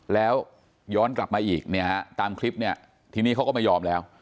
แล้วย้อนกลับมาอีกเนี่ยฮะตามคลิปเนี่ยทีนี้เขาก็ไม่ยอมแล้ว